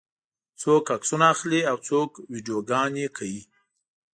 څوک عکسونه اخلي او څوک ویډیوګانې کوي.